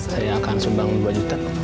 saya akan sumbang dua juta